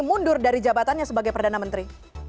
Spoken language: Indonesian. mundur dari jabatannya sebagai perdana menteri